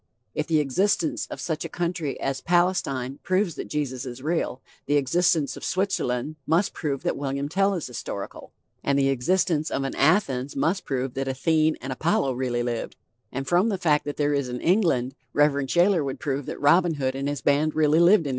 If the existence of such a country as Palestine proves that Jesus is real, the existence of Switzerland must prove that William Tell is historical; and the existence of an Athens must prove that Athene and Apollo really lived; and from the fact that there is an England, Rev. Shayler would prove that Robin Hood and his band really lived in 1160.